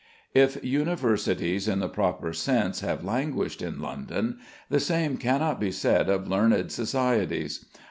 If universities, in the proper sense, have languished in London, the same cannot be said of learned societies.